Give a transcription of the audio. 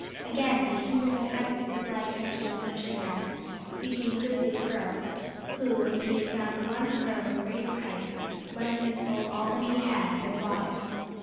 Again, the kingdom of heaven is like unto a merchant man, seeking goodly pearls: who, when he had found one pearl of great price, went and sold all that he had, and bought it.